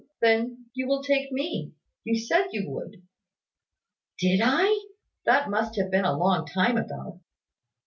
Then, you will take me. You said you would." "Did I? That must have been a long time ago."